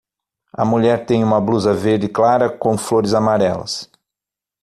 A mulher tem uma blusa verde clara com flores amarelas